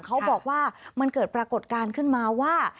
เขาบอกว่ามันเกิดปรากฏการณ์ขึ้นมาว่า